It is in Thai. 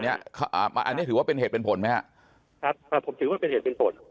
อันนี้ถือว่าเป็นเหตุเป็นผลไหมฮะครับอ่าผมถือว่าเป็นเหตุเป็นผล